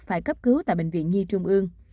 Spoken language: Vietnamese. phải cấp cứu tại bệnh viện nhi trung ương